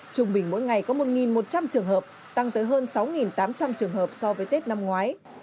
trung bình mỗi ngày có một một trăm linh trường hợp tăng tới hơn sáu tám trăm linh trường hợp so với tết năm ngoái